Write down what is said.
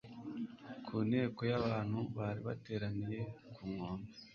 ku nteko y'abantu bari bateraniye ku nkombe.